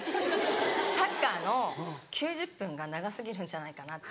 サッカーの９０分が長過ぎるんじゃないかなって。